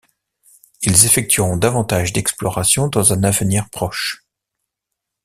Ils effectueront davantage d'explorations dans un avenir proche.